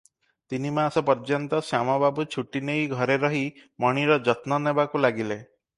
ତିନିମାସ ପର୍ଯ୍ୟନ୍ତ ଶ୍ୟାମବାବୁ ଛୁଟି ନେଇ ଘରେ ରହି ମଣିର ଯତ୍ନ ନେବାକୁ ଲାଗିଲେ ।